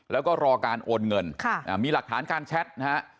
แล้วก็รอการโอนเงินมีหลักฐานการแชทนะฮะ